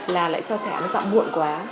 là lại cho trẻ ăn dặm muộn quá